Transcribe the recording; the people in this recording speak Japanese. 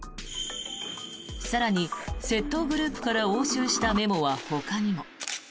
更に、窃盗グループから押収したメモはほかにも。